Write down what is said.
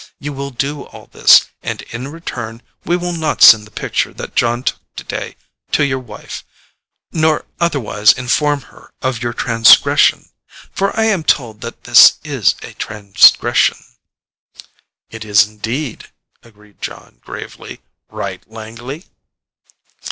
You will do all this, and in return, we will not send the picture that Jon took today to your wife, nor otherwise inform her of your transgression. For I am told that this is a transgression." "It is indeed," agreed Jon gravely. "Right, Langley?"